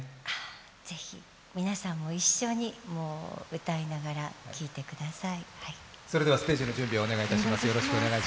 ぜひ皆さんも一緒に歌いながら聴いてください。